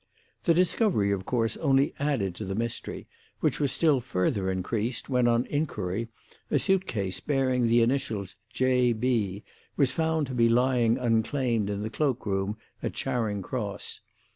"This discovery, of course, only added to the mystery, which was still further increased when, on inquiry, a suit case bearing the initials J.B. was found to be lying unclaimed in the cloak room at Charing Cross.